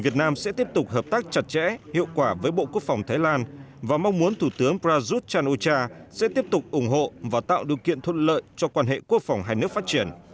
thủ tướng prajuch chan o cha sẽ tiếp tục ủng hộ và tạo điều kiện thuận lợi cho quan hệ quốc phòng hai nước phát triển